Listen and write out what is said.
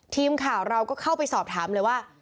ทีมข่าวเราก็เข้าไปสอบถามเลยว่า